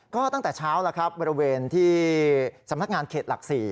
ก็ตั้งแต่เช้าแล้วครับบริเวณที่สำนักงานเขตหลัก๔